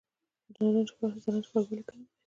زرنج ښار ولې ګرم دی؟